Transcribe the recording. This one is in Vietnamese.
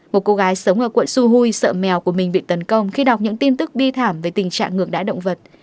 một cô gái sống ở quận suhui sợ mèo của mình bị tấn công khi đọc những tin tức bi thảm về tình trạng ngưỡng đãi động vật